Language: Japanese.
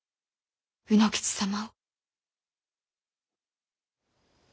卯之吉様を。